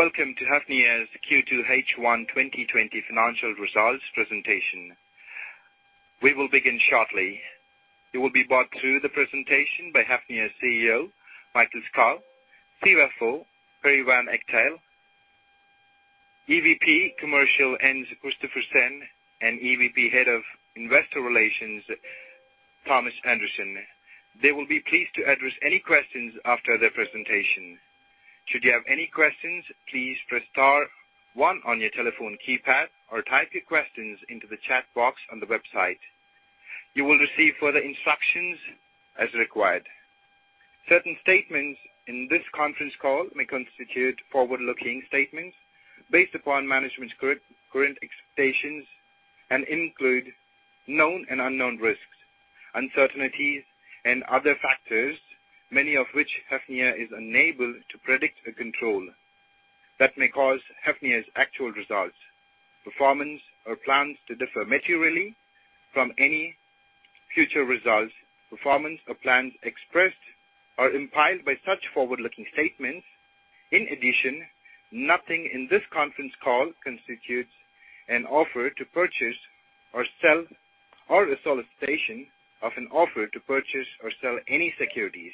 Welcome to Hafnia's Q2 H1 2020 financial results presentation. We will begin shortly. You will be brought through the presentation by Hafnia CEO, Mikael Skov, CFO, Perry van Echtelt, EVP Commercial, Jens Christophersen, and EVP Head of Investor Relations, Thomas Andersen. They will be pleased to address any questions after their presentation. Should you have any questions, please press star one on your telephone keypad or type your questions into the chat box on the website. You will receive further instructions as required. Certain statements in this conference call may constitute forward-looking statements based upon management's current expectations and include known and unknown risks, uncertainties, and other factors, many of which Hafnia is unable to predict or control that may cause Hafnia's actual results, performance, or plans to differ materially from any future results, performance, or plans expressed or implied by such forward-looking statements. In addition, nothing in this conference call constitutes an offer to purchase or sell, or a solicitation of an offer to purchase or sell any securities.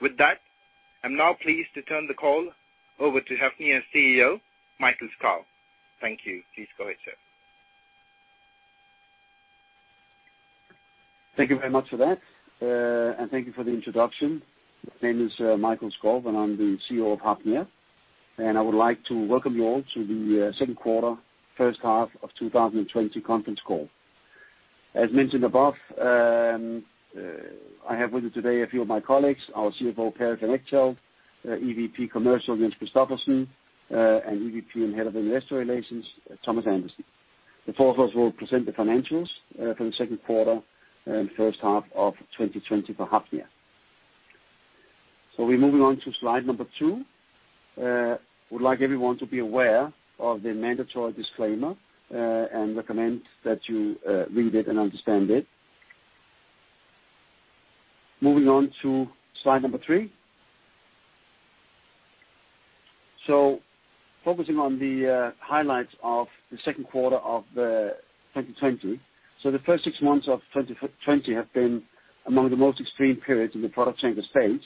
With that, I'm now pleased to turn the call over to Hafnia CEO, Mikael Skov. Thank you. Please go ahead, sir. Thank you very much for that, thank you for the introduction. My name is Mikael Skov, and I'm the CEO of Hafnia, and I would like to welcome you all to the second quarter, first half of 2020 conference call. As mentioned above, I have with me today a few of my colleagues, our CFO, Perry van Echtelt, EVP Commercial, Jens Christophersen, and EVP and Head of Investor Relations, Thomas Andersen. The four of us will present the financials for the second quarter and first half of 2020 for Hafnia. We're moving on to slide number two. Would like everyone to be aware of the mandatory disclaimer, and recommend that you read it and understand it. Moving on to slide number three. Focusing on the highlights of the second quarter of 2020. The first six months of 2020 have been among the most extreme periods in the product tanker space,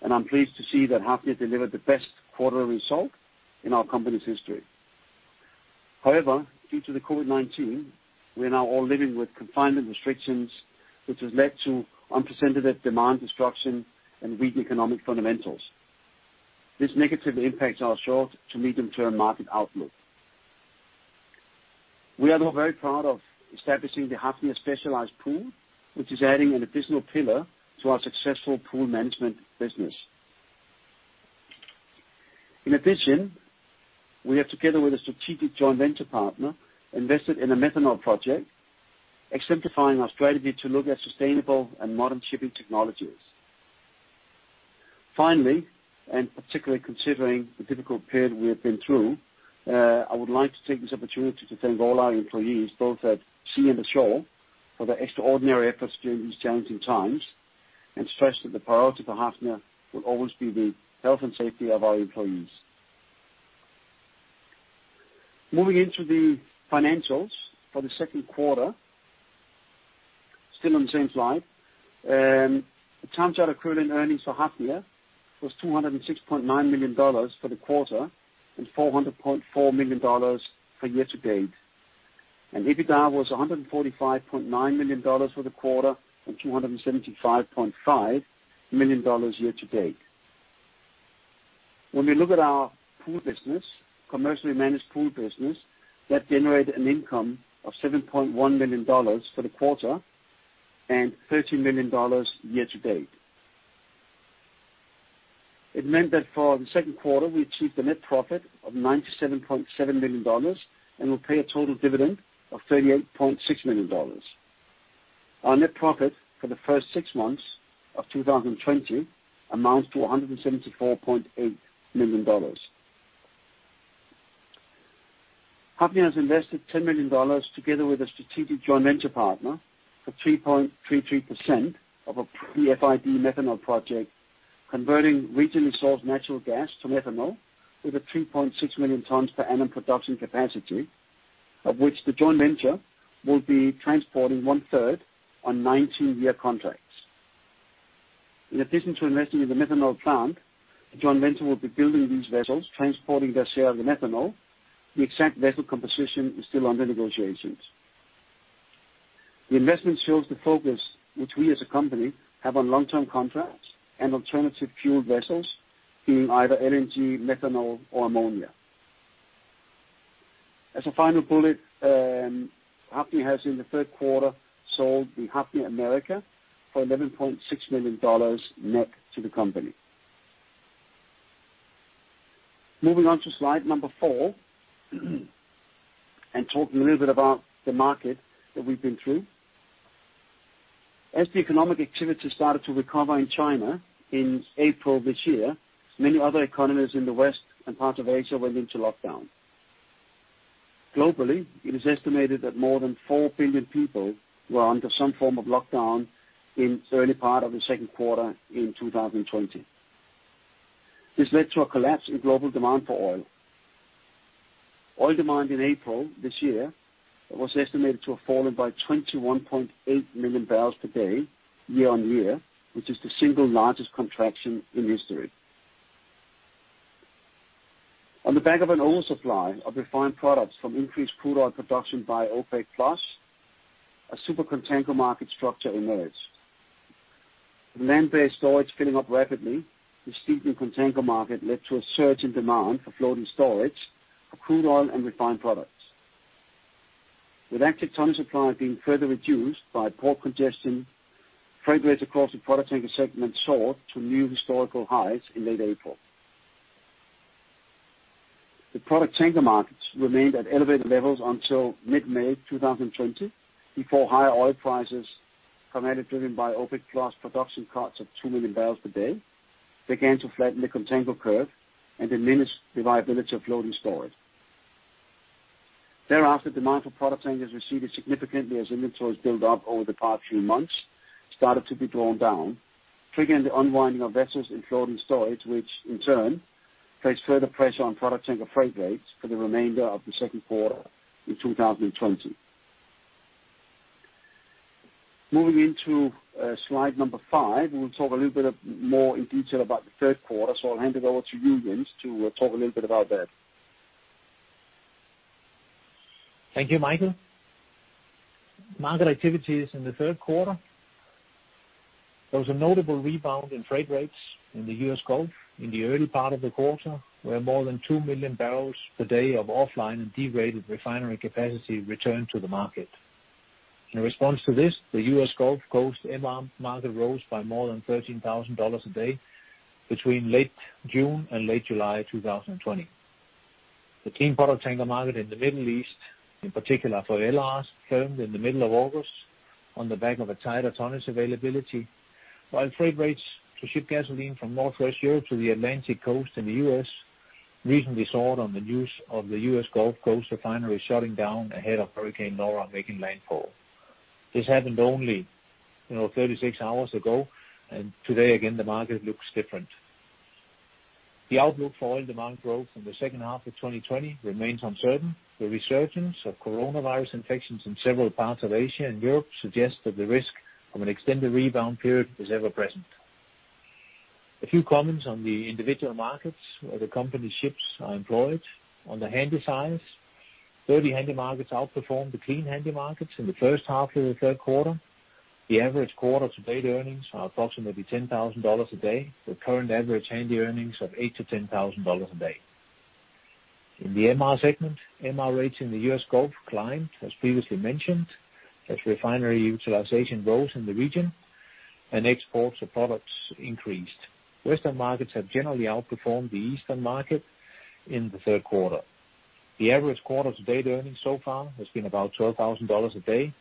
and I'm pleased to see that Hafnia delivered the best quarterly result in our company's history. However, due to the COVID-19, we are now all living with confinement restrictions, which has led to unprecedented demand destruction and weak economic fundamentals. This negatively impacts our short- to medium-term market outlook. We are, though, very proud of establishing the Hafnia Specialized Pool, which is adding an additional pillar to our successful pool management business. In addition, we have, together with a strategic joint venture partner, invested in a methanol project, exemplifying our strategy to look at sustainable and modern shipping technologies. Finally, and particularly considering the difficult period we have been through, I would like to take this opportunity to thank all our employees, both at sea and the shore, for their extraordinary efforts during these challenging times, and stress that the priority for Hafnia will always be the health and safety of our employees. Moving into the financials for the second quarter, still on the same slide. The time charter equivalent earnings for Hafnia was $206.9 million for the quarter and $400.4 million for year-to-date. EBITDA was $145.9 million for the quarter and $275.5 million year-to-date. When we look at our pool business, commercially managed pool business, that generated an income of $7.1 million for the quarter and $13 million year-to-date. It meant that for the second quarter, we achieved a net profit of $97.7 million and will pay a total dividend of $38.6 million. Our net profit for the first six months of 2020 amounts to $174.8 million. Hafnia has invested $10 million together with a strategic joint venture partner for 3.33% of a NWIW methanol project, converting regionally sourced natural gas to methanol with a 3.6 million tons per annum production capacity, of which the joint venture will be transporting one-third on 19-year contracts. In addition to investing in the methanol plant, the joint venture will be building these vessels transporting their share of the methanol. The exact vessel composition is still under negotiations. The investment shows the focus which we, as a company, have on long-term contracts and alternative fuel vessels, being either LNG, methanol, or ammonia. As a final bullet, Hafnia has, in the third quarter, sold the Hafnia America for $11.6 million net to the company. Moving on to slide number four, and talking a little bit about the market that we've been through. As the economic activity started to recover in China in April this year, many other economies in the West and parts of Asia went into lockdown. Globally, it is estimated that more than four billion people were under some form of lockdown in the early part of the second quarter in 2020. This led to a collapse in global demand for oil. Oil demand in April this year was estimated to have fallen by 21.8 million barrels per day year-on-year, which is the single largest contraction in history. On the back of an oversupply of refined products from increased crude oil production by OPEC+, a super contango market structure emerged. With land-based storage filling up rapidly, the steepening contango market led to a surge in demand for floating storage of crude oil and refined products. With active tanker supply being further reduced by port congestion, freight rates across the product tanker segment soared to new historical highs in late April. The product tanker markets remained at elevated levels until mid-May 2020, before higher oil prices, primarily driven by OPEC+ production cuts of 2 million barrels per day, began to flatten the contango curve and diminish the viability of floating storage. Thereafter, demand for product tankers receded significantly as inventories built up over the past few months started to be drawn down, triggering the unwinding of vessels in floating storage, which in turn placed further pressure on product tanker freight rates for the remainder of the second quarter in 2020. Moving into slide number five, we'll talk a little bit more in detail about the third quarter. I'll hand it over to you, Jens, to talk a little bit about that. Thank you, Mikael. Market activities in the third quarter. There was a notable rebound in freight rates in the U.S. Gulf in the early part of the quarter, where more than 2 million barrels per day of uncertain returned to the market. In response to this, the U.S. Gulf Coast MR market rose by more than $13,000 a day between late June and late July 2020. The clean product tanker market in the Middle East, in particular for LR2s, firmed in the middle of August on the back of a tighter tonnage availability. Freight rates to ship gasoline from Northwest Europe to the Atlantic Coast in the U.S. recently soared on the news of the U.S. Gulf Coast refinery shutting down ahead of Hurricane Laura making landfall. This happened only 36 hours ago, and today, again, the market looks different. The outlook for oil demand growth in the second half of 2020 remains uncertain. The resurgence of coronavirus infections in several parts of Asia and Europe suggests that the risk of an extended rebound period is ever present. A few comments on the individual markets where the company ships are employed. On the Handysize, dirty Handy markets outperformed the clean Handy markets in the first half of the third quarter. The average quarter-to-date earnings are approximately $10,000 a day, with current average Handy earnings of $8,000-$10,000 a day. In the MR segment, MR rates in the U.S. Gulf climbed, as previously mentioned, as refinery utilization rose in the region and exports of products increased. Western markets have generally outperformed the Eastern market in the third quarter. The average quarter-to-date earnings so far has been about $12,000 a day,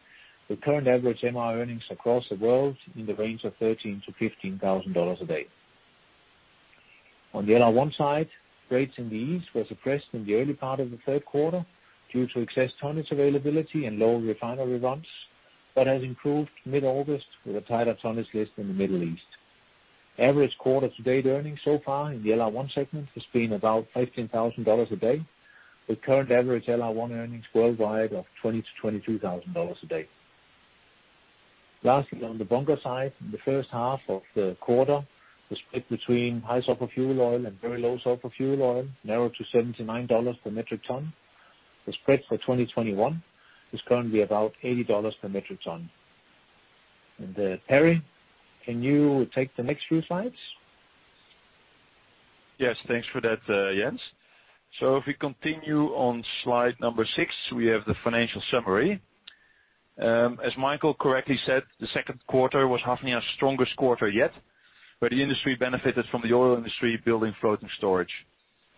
with current average MR earnings across the world in the range of $13,000-$15,000 a day. On the LR1 side, rates in the East were suppressed in the early part of the third quarter due to excess tonnage availability and lower refinery runs, has improved mid-August with a tighter tonnage list in the Middle East. Average quarter-to-date earnings so far in the LR1 segment has been about $15,000 a day, with current average LR1 earnings worldwide of $20,000-$22,000 a day. Lastly, on the bunker side, in the first half of the quarter, the spread between high sulfur fuel oil and very low sulfur fuel oil narrowed to $79 per metric ton. The spread for 2021 is currently about $80 per metric ton. Perry, can you take the next few slides? Yes, thanks for that, Jens. If we continue on slide number six, we have the financial summary. As Mikael correctly said, the second quarter was Hafnia's strongest quarter yet, where the industry benefited from the oil industry building floating storage.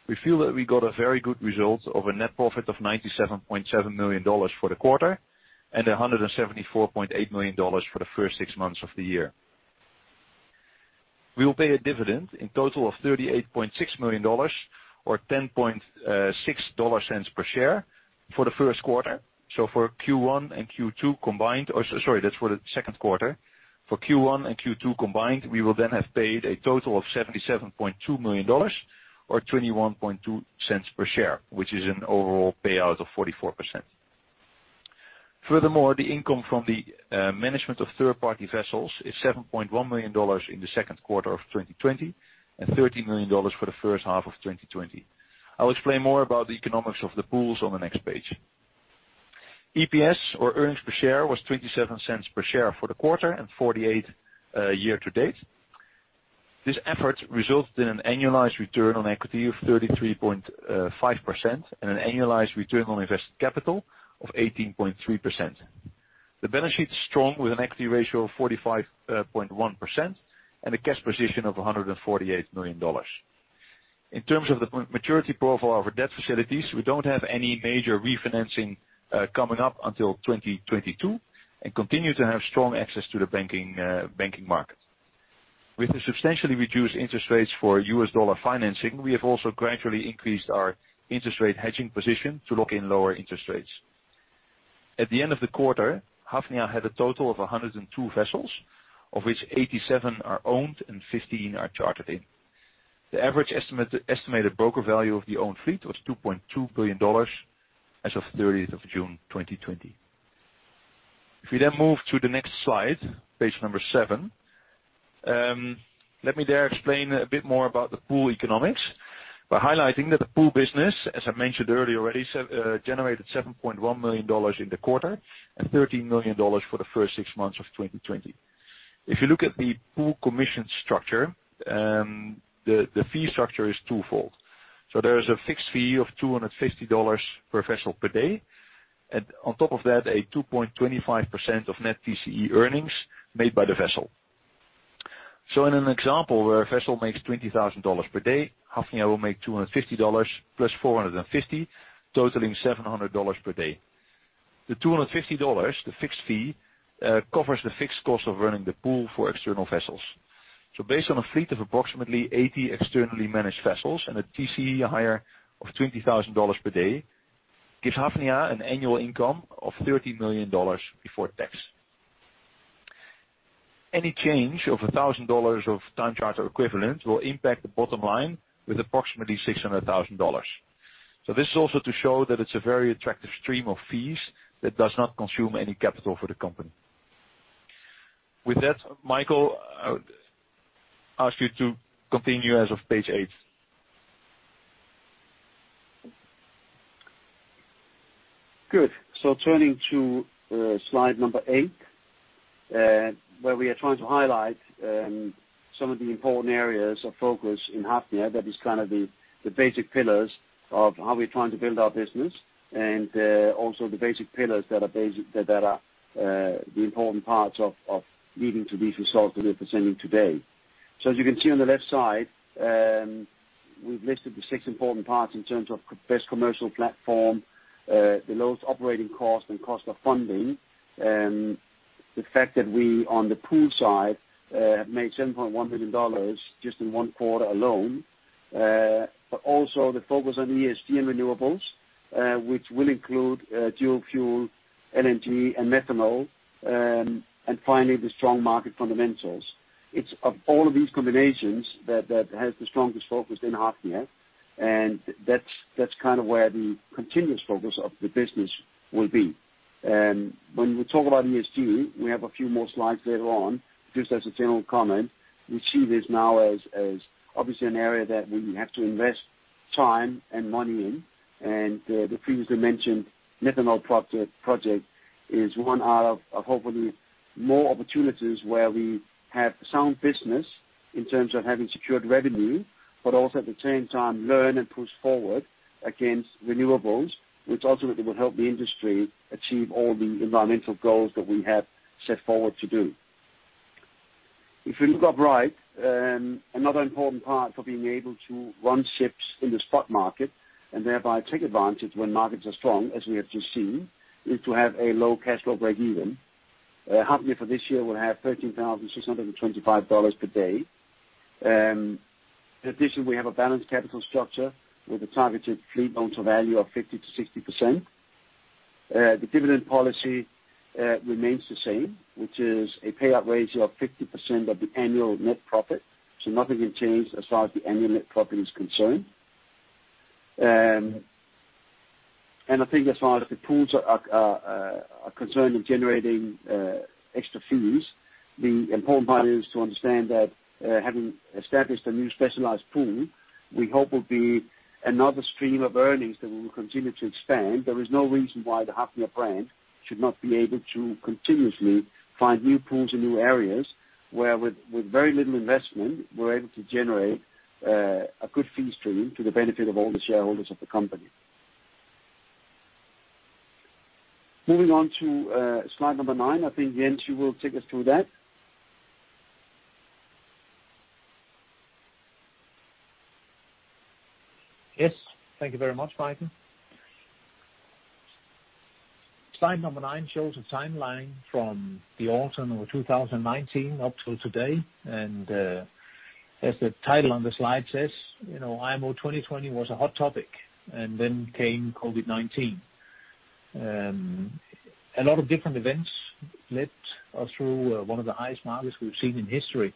We feel that we got a very good result of a net profit of $97.7 million for the quarter and $174.8 million for the first six months of the year. We will pay a dividend in total of $38.6 million or $0.106 per share for the first quarter. Sorry, that's for the second quarter. For Q1 and Q2 combined, we will then have paid a total of $77.2 million or $0.212 per share, which is an overall payout of 44%. The income from the management of third-party vessels is $7.1 million in the second quarter of 2020 and $13 million for the first half of 2020. I'll explain more about the economics of the pools on the next page. EPS or earnings per share was $0.27 per share for the quarter and $0.48 year to date. This effort resulted in an annualized return on equity of 33.5% and an annualized return on invested capital of 18.3%. The balance sheet is strong with an equity ratio of 45.1% and a cash position of $148 million. In terms of the maturity profile of our debt facilities, we don't have any major refinancing coming up until 2022 and continue to have strong access to the banking market. With the substantially reduced interest rates for US dollar financing, we have also gradually increased our interest rate hedging position to lock in lower interest rates. At the end of the quarter, Hafnia had a total of 102 vessels, of which 87 are owned and 15 are chartered in. The average estimated broker value of the owned fleet was $2.2 billion as of 30th of June 2020. If you move to the next slide, page number seven. Let me there explain a bit more about the pool economics by highlighting that the pool business, as I mentioned earlier already, generated $7.1 million in the quarter and $13 million for the first six months of 2020. If you look at the pool commission structure, the fee structure is twofold. There is a fixed fee of $250 per vessel per day, and on top of that, a 2.25% of net TCE earnings made by the vessel. In an example where a vessel makes $20,000 per day, Hafnia will make $250 plus $450, totaling $700 per day. The $250, the fixed fee, covers the fixed cost of running the pool for external vessels. Based on a fleet of approximately 80 externally managed vessels and a TCE hire of $20,000 per day, gives Hafnia an annual income of $30 million before tax. Any change of $1,000 of time charter equivalent will impact the bottom line with approximately $600,000. This is also to show that it's a very attractive stream of fees that does not consume any capital for the company. With that, Mikael, ask you to continue as of page eight. Good. Turning to slide number eight, where we are trying to highlight some of the important areas of focus in Hafnia. That is kind of the basic pillars of how we're trying to build our business and also the basic pillars that are the important parts of leading to these results that we're presenting today. As you can see on the left side, we've listed the six important parts in terms of best commercial platform, the lowest operating cost and cost of funding. The fact that we, on the pool side, have made $7.1 million just in one quarter alone. Also the focus on ESG and renewables, which will include dual fuel, LNG and methanol, and finally, the strong market fundamentals. It's of all of these combinations that has the strongest focus in Hafnia, and that's kind of where the continuous focus of the business will be. When we talk about ESG, we have a few more slides later on. Just as a general comment, we see this now as obviously an area that we have to invest time and money in. The previously mentioned methanol project is one out of hopefully more opportunities where we have sound business in terms of having secured revenue, but also at the same time learn and push forward against renewables, which ultimately will help the industry achieve all the environmental goals that we have set forward to do. If you look up right, another important part for being able to run ships in the spot market and thereby take advantage when markets are strong, as we have just seen, is to have a low cash flow breakeven. Hafnia for this year will have $13,625 per day. In addition, we have a balanced capital structure with a targeted fleet loan to value of 50%-60%. The dividend policy remains the same, which is a payout ratio of 50% of the annual net profit. Nothing has changed as far as the annual net profit is concerned. I think as far as the pools are concerned in generating extra fees, the important part is to understand that having established a new Specialized Pool, we hope will be another stream of earnings that we will continue to expand. There is no reason why the Hafnia brand should not be able to continuously find new pools in new areas where with very little investment, we're able to generate a good fee stream to the benefit of all the shareholders of the company. Moving on to slide number nine. I think, Jens, you will take us through that. Yes. Thank you very much, Mikael. Slide number nine shows a timeline from the autumn of 2019 up till today. As the title on the slide says, IMO 2020 was a hot topic and then came COVID-19. A lot of different events led us through one of the highest markets we've seen in history.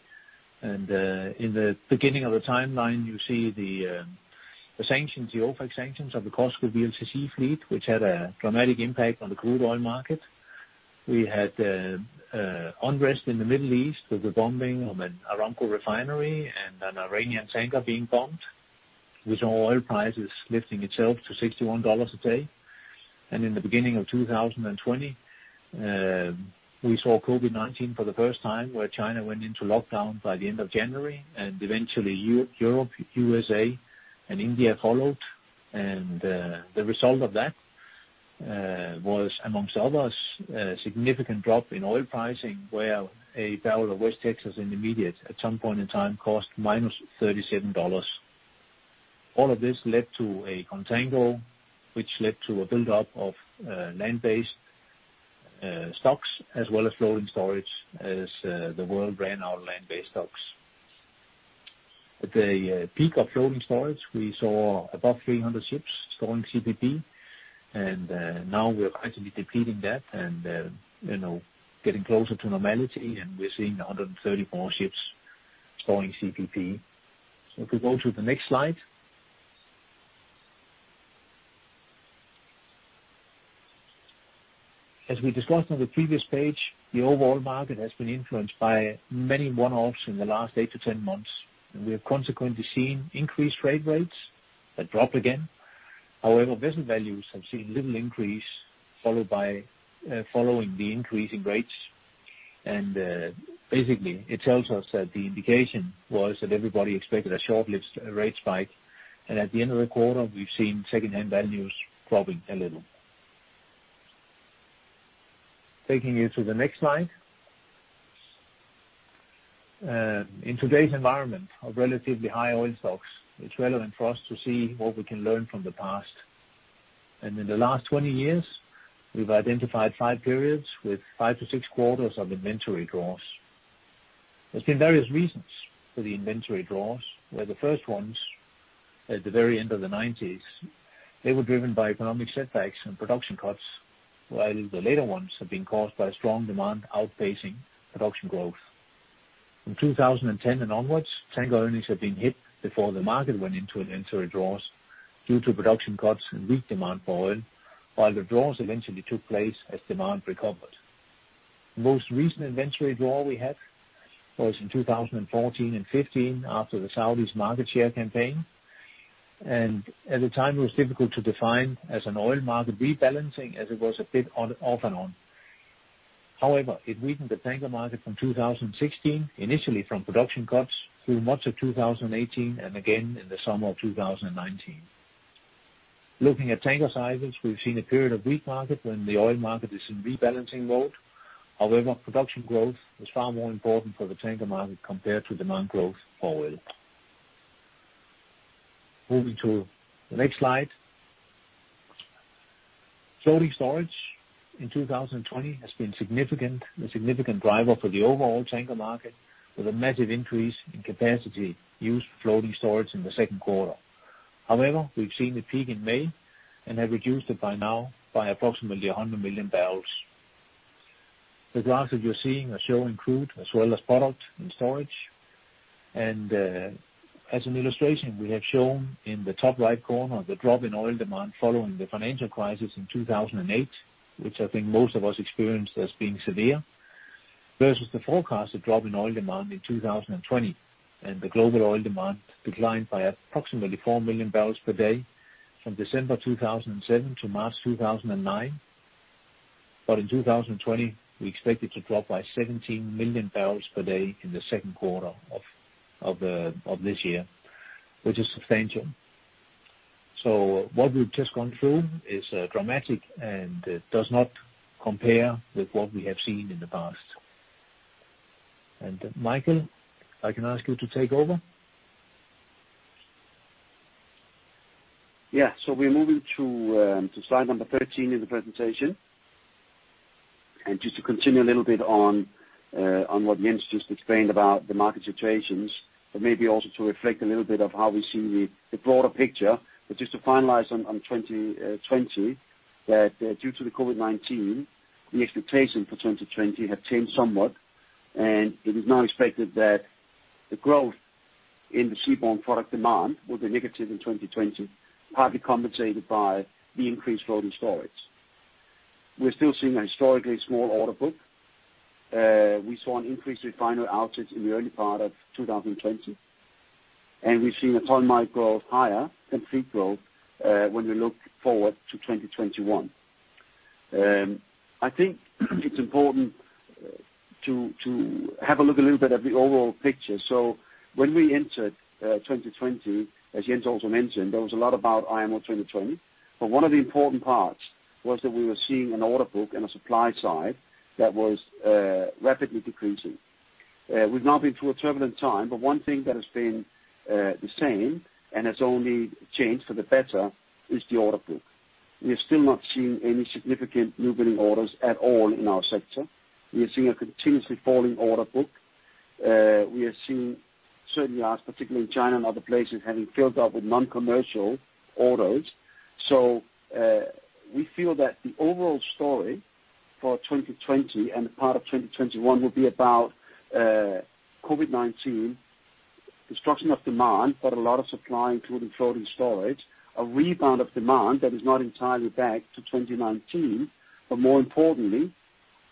In the beginning of the timeline, you see the OFAC sanctions of the COSCO VLCC fleet, which had a dramatic impact on the crude oil market. We had unrest in the Middle East with the bombing of an Aramco refinery and an Iranian tanker being bombed, with oil prices lifting itself to $61 a barrel. In the beginning of 2020, we saw COVID-19 for the first time where China went into lockdown by the end of January and eventually Europe, USA and India followed. The result of that was, among others, a significant drop in oil pricing where a barrel of West Texas Intermediate at some point in time cost -$37. All of this led to a contango, which led to a build-up of land-based stocks as well as floating storage as the world ran out of land-based stocks. At the peak of floating storage, we saw above 300 ships storing CPP. Now we're actively depleting that and getting closer to normality, and we're seeing 134 ships storing CPP. If we go to the next slide. As we discussed on the previous page, the overall market has been influenced by many one-offs in the last eight to 10 months. We have consequently seen increased freight rates that dropped again. However, vessel values have seen little increase following the increase in rates. Basically, it tells us that the indication was that everybody expected a short-lived rate spike. At the end of the quarter, we've seen secondhand values dropping a little. Taking you to the next slide. In today's environment of relatively high oil stocks, it's relevant for us to see what we can learn from the past. In the last 20 years, we've identified 5 periods with 5 to 6 quarters of inventory draws. There's been various reasons for the inventory draws, where the first ones, at the very end of the '90s, they were driven by economic setbacks and production cuts, while the later ones have been caused by strong demand outpacing production growth. From 2010 and onwards, tanker earnings have been hit before the market went into an inventory draws due to production cuts and weak demand for oil, while the draws eventually took place as demand recovered. The most recent inventory draw we had was in 2014 and 2015 after the Saudi's market share campaign. At the time, it was difficult to define as an oil market rebalancing as it was a bit off and on. However, it weakened the tanker market from 2016, initially from production cuts through much of 2018, and again in the summer of 2019. Looking at tanker sizes, we've seen a period of weak market when the oil market is in rebalancing mode. However, production growth is far more important for the tanker market compared to demand growth for oil. Moving to the next slide. Floating storage in 2020 has been a significant driver for the overall tanker market, with a massive increase in capacity used for floating storage in the second quarter. However, we've seen a peak in May and have reduced it by now by approximately 100 million barrels. The graphs that you're seeing are showing crude as well as product in storage. As an illustration, we have shown in the top right corner the drop in oil demand following the financial crisis in 2008, which I think most of us experienced as being severe, versus the forecasted drop in oil demand in 2020. The global oil demand declined by approximately four million barrels per day from December 2007 to March 2009. In 2020, we expect it to drop by 17 million barrels per day in the second quarter of this year, which is substantial. What we've just gone through is dramatic and does not compare with what we have seen in the past. Mikael, if I can ask you to take over. Yeah. We're moving to slide number 13 in the presentation. Just to continue a little bit on what Jens just explained about the market situations, but maybe also to reflect a little bit of how we see the broader picture, but just to finalize on 2020, that due to the COVID-19, the expectation for 2020 had changed somewhat, and it is now expected that the growth in the seaborne product demand will be negative in 2020, partly compensated by the increased floating storage. We're still seeing a historically small order book. We saw an increase in refiner outputs in the early part of 2020, and we've seen a ton-mile growth higher than fleet growth when we look forward to 2021. I think it's important to have a look a little bit at the overall picture. When we entered 2020, as Jens also mentioned, there was a lot about IMO 2020. One of the important parts was that we were seeing an order book and a supply side that was rapidly decreasing. We've now been through a turbulent time, but one thing that has been the same and has only changed for the better is the order book. We have still not seen any significant newbuilding orders at all in our sector. We are seeing a continuously falling order book. We are seeing certain yards, particularly in China and other places, having filled up with non-commercial orders. We feel that the overall story for 2020 and part of 2021 will be about COVID-19, destruction of demand, but a lot of supply, including floating storage, a rebound of demand that is not entirely back to 2019. More importantly,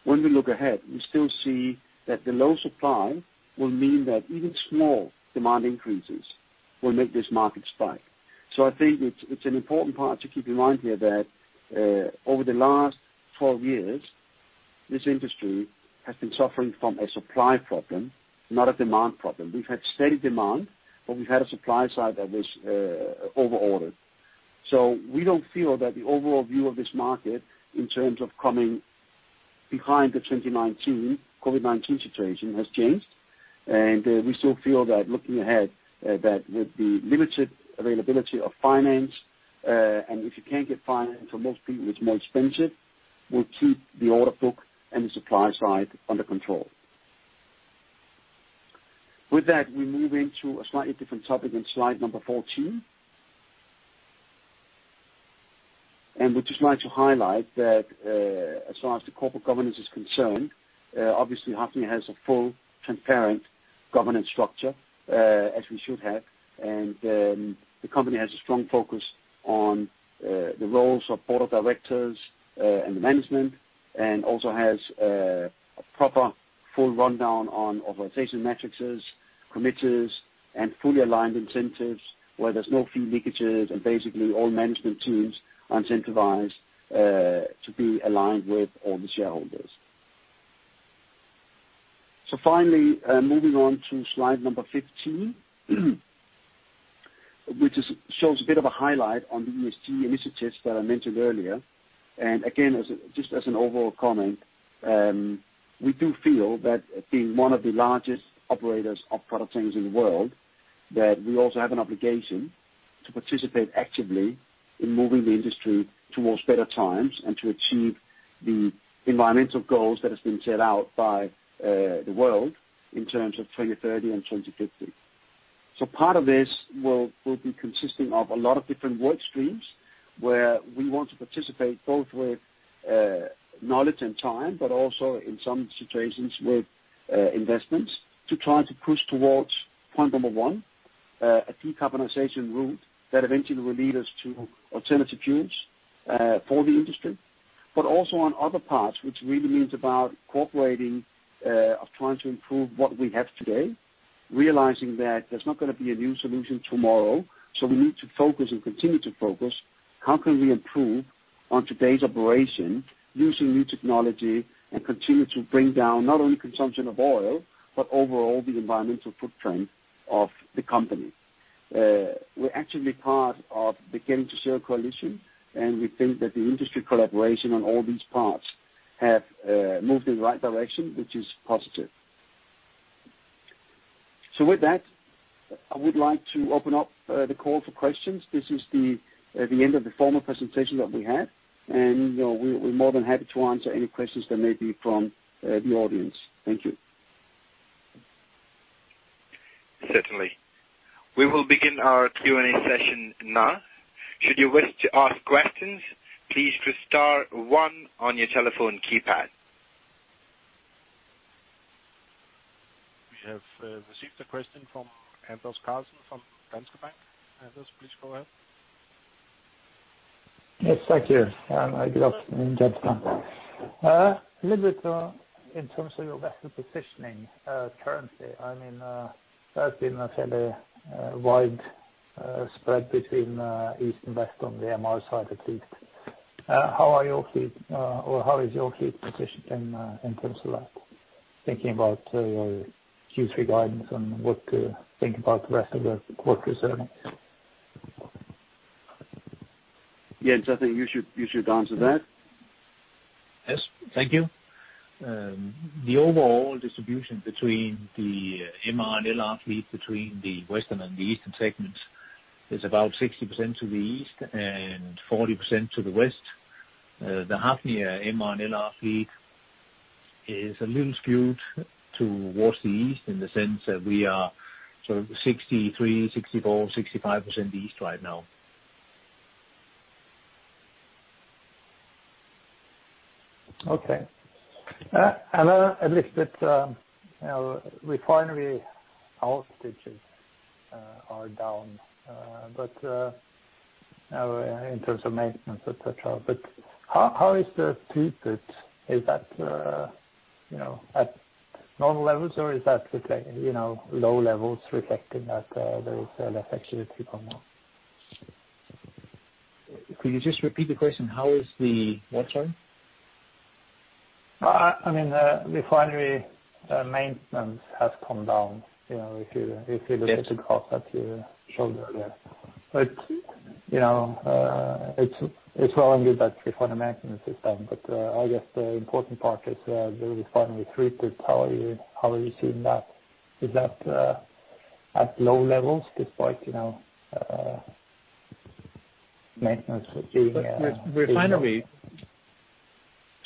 when we look ahead, we still see that the low supply will mean that even small demand increases will make this market spike. I think it's an important part to keep in mind here that, over the last 12 years, this industry has been suffering from a supply problem, not a demand problem. We've had steady demand, but we've had a supply side that was over-ordered. We don't feel that the overall view of this market in terms of coming out of the 2019 COVID-19 situation has changed, and we still feel that looking ahead, that with the limited availability of finance, and if you can't get finance, for most people, it's more expensive, will keep the order book and the supply side under control. With that, we move into a slightly different topic in slide number 14. We just like to highlight that, as far as the corporate governance is concerned, obviously Hafnia has a full transparent governance structure, as we should have. The company has a strong focus on the roles of board of directors and management, and also has a proper full rundown on authorization matrices, committees and fully aligned incentives where there's no fee leakages and basically all management teams are incentivized to be aligned with all the shareholders. Finally, moving on to slide number 15, which shows a bit of a highlight on the ESG initiatives that I mentioned earlier. Again, just as an overall comment, we do feel that being one of the largest operators of product tanks in the world, that we also have an obligation to participate actively in moving the industry towards better times and to achieve the environmental goals that has been set out by the world in terms of 2030 and 2050. Part of this will be consisting of a lot of different work streams where we want to participate both with knowledge and time, but also in some situations with investments to try to push towards point number one, a decarbonization route that eventually will lead us to alternative fuels, for the industry, but also on other parts, which really means about cooperating, of trying to improve what we have today, realizing that there's not going to be a new solution tomorrow. We need to focus and continue to focus, how can we improve on today's operation using new technology and continue to bring down not only consumption of oil, but overall the environmental footprint of the company? We're actually part of the Getting to Zero Coalition, and we think that the industry collaboration on all these parts have moved in the right direction, which is positive. With that, I would like to open up the call for questions. This is the end of the formal presentation that we had, and we're more than happy to answer any questions there may be from the audience. Thank you. Certainly. We will begin our Q&A session now. Should you wish to ask questions, please press star one on your telephone keypad. We have received a question from Anders Karlsen from Danske Bank. Anders, please go ahead. Yes, thank you. Good afternoon, gentlemen. A little bit in terms of your vessel positioning currently, there's been a fairly wide spread between East and West on the MR side at least. How is your fleet positioned in terms of that, thinking about your Q3 guidance and what to think about the rest of the quarter certainly? Jens, I think you should answer that. Yes. Thank you. The overall distribution between the MR and LR fleet between the Western and the Eastern segments is about 60% to the East and 40% to the West. The Hafnia MR and LR fleet is a little skewed towards the East in the sense that we are sort of 63%, 64%, 65% East right now. Okay. A little bit, refinery output are down in terms of maintenance, et cetera, but how is the throughput? Is that at normal levels or is that low levels reflecting that there is less activity going on? Could you just repeat the question? How is the what, sorry? Refinery maintenance has come down. If you look at the graph that you showed earlier. It's well and good that refinery maintenance is down. I guess the important part is the refinery throughput. How are you seeing that? Is that at low levels despite maintenance being-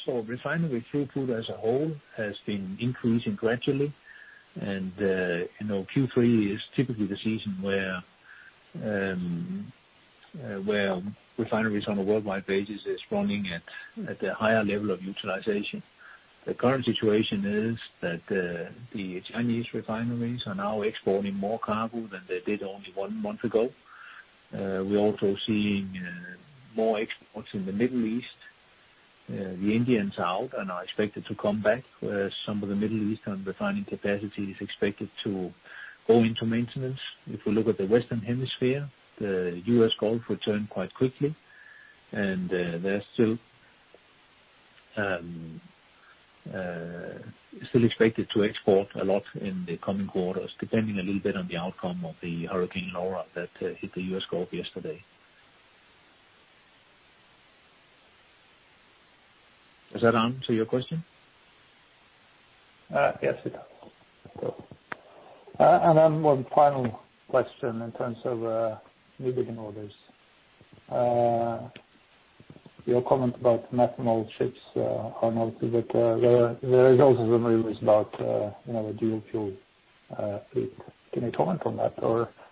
Refinery throughput as a whole has been increasing gradually. Q3 is typically the season where refineries on a worldwide basis is running at a higher level of utilization. The current situation is that the Chinese refineries are now exporting more cargo than they did only one month ago. We're also seeing more exports in the Middle East. The Indians are out and are expected to come back. Some of the Middle Eastern refining capacity is expected to go into maintenance. If we look at the Western Hemisphere, the U.S. Gulf returned quite quickly, and they're still expected to export a lot in the coming quarters, depending a little bit on the outcome of the Hurricane Laura that hit the U.S. Gulf yesterday. Does that answer your question? Yes, it does. One final question in terms of newbuilding orders. Your comment about methanol ships are noted, there is also rumors about a dual fuel fleet. Can you comment on that?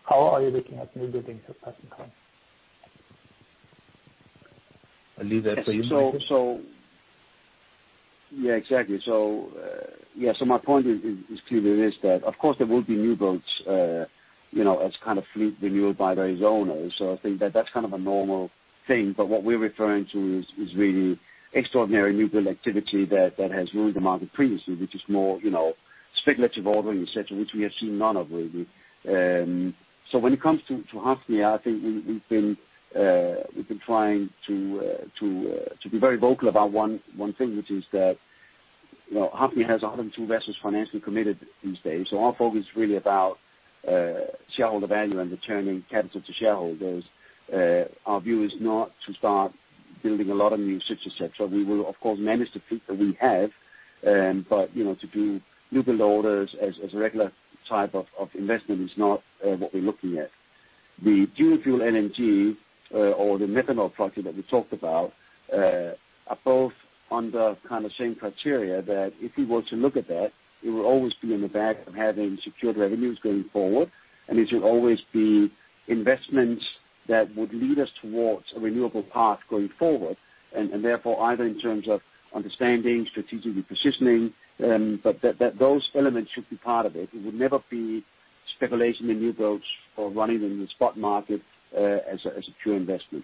How are you looking at newbuildings at present time? I leave that for you, Mikael. Yeah, exactly. My point is clearly this, that of course there will be new builds as kind of fleet renewal by various owners. I think that that's kind of a normal thing. What we're referring to is really extraordinary new build activity that has ruled the market previously, which is more speculative ordering, et cetera, which we have seen none of really. When it comes to Hafnia, I think we've been trying to be very vocal about one thing, which is that Hafnia has 102 vessels financially committed these days. Our focus is really about shareholder value and returning capital to shareholders. Our view is not to start building a lot of new ships, et cetera. We will, of course, manage the fleet that we have. To do new build orders as a regular type of investment is not what we're looking at. The dual fuel LNG or the methanol project that we talked about, are both under kind of same criteria that if we were to look at that, it will always be in the back of having secured revenues going forward, and it should always be investments that would lead us towards a renewable path going forward. Therefore, either in terms of understanding, strategically positioning, but those elements should be part of it. It would never be speculation in new builds or running them in the spot market as a pure investment.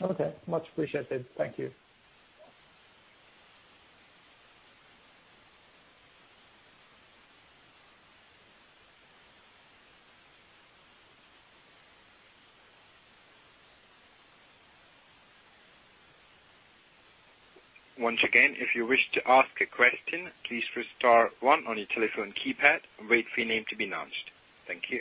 Okay. Much appreciated. Thank you. Once again, if you wish to ask a question, please press star one on your telephone keypad and wait for your name to be announced. Thank you.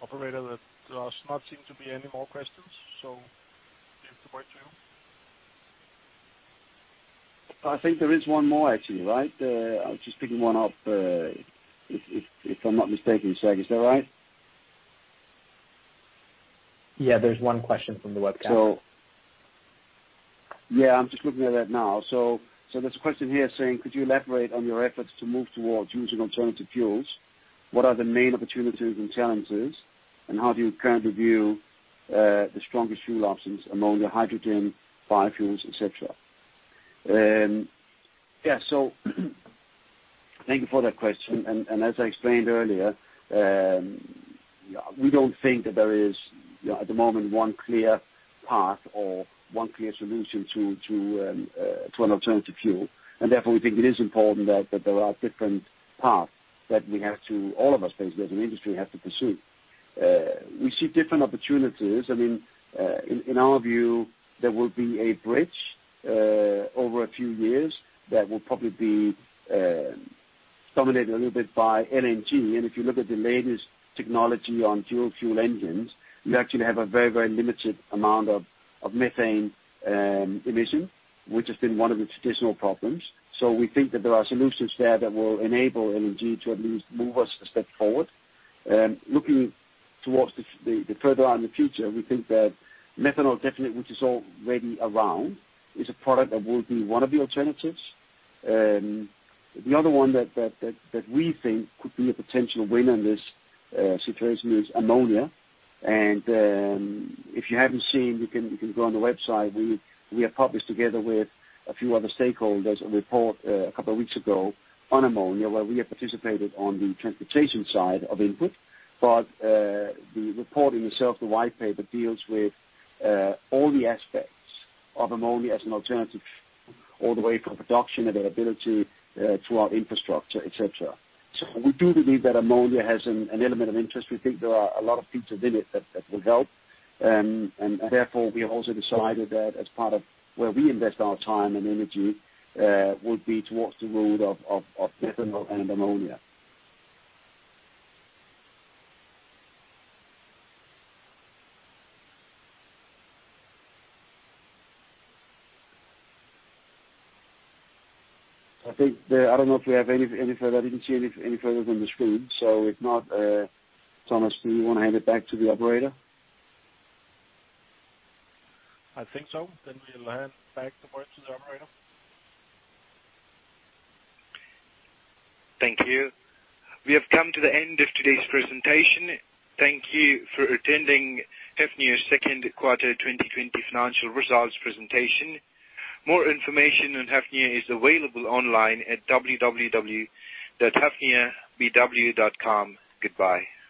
Operator, there does not seem to be any more questions, so feel free to break to him. I think there is one more actually, right? I was just picking one up, if I'm not mistaken, Zach, is that right? Yeah. There's one question from the webcast. Yeah, I'm just looking at that now. There's a question here saying, could you elaborate on your efforts to move towards using alternative fuels? What are the main opportunities and challenges, and how do you currently view the strongest fuel options among the hydrogen biofuels, et cetera? Yeah. Thank you for that question. As I explained earlier, we don't think that there is, at the moment, one clear path or one clear solution to an alternative fuel. Therefore, we think it is important that there are different paths that we have to, all of us, basically, as an industry, have to pursue. We see different opportunities. In our view, there will be a bridge over a few years that will probably be dominated a little bit by LNG. If you look at the latest technology on dual fuel engines, you actually have a very limited amount of methane emission, which has been one of the traditional problems. We think that there are solutions there that will enable LNG to at least move us a step forward. Looking towards the further out in the future, we think that methanol definitely, which is already around, is a product that will be one of the alternatives. The other one that we think could be a potential winner in this situation is ammonia. If you haven't seen, you can go on the website. We have published together with a few other stakeholders, a report a couple of weeks ago on ammonia, where we have participated on the transportation side of input. The report in itself, the white paper, deals with all the aspects of ammonia as an alternative all the way from production, availability, throughout infrastructure, et cetera. We do believe that ammonia has an element of interest. We think there are a lot of features in it that will help. Therefore, we have also decided that as part of where we invest our time and energy, would be towards the road of methanol and ammonia. I don't know if we have any further. I didn't see any further than the screen. If not, Thomas, do you want to hand it back to the operator? I think so. We'll hand back the word to the operator. Thank you. We have come to the end of today's presentation. Thank you for attending Hafnia's second quarter 2020 financial results presentation. More information on Hafnia is available online at www.hafniabw.com. Goodbye.